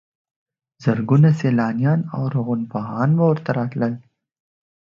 زرګونه سیلانیان او لرغونپوهان به ورته راتلل.